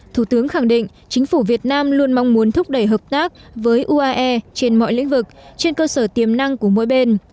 thủ tướng khẳng định chính phủ việt nam luôn mong muốn thúc đẩy hợp tác với uae trên mọi lĩnh vực trên cơ sở tiềm năng của mỗi bên